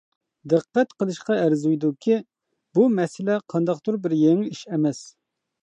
دىققەت قىلىشقا ئەرزىيدۇكى، بۇ مەسىلە قانداقتۇر بىر يېڭى ئىش ئەمەس.